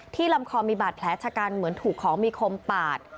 ลำคอมีบาดแผลชะกันเหมือนถูกของมีคมปาด